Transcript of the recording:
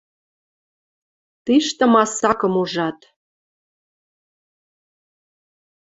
Тиштӹ масакым ужат...